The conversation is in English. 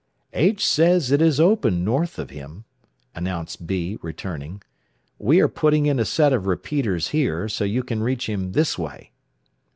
"H says it is open north of him," announced B, returning. "We are putting in a set of repeaters here, so you can reach him this way."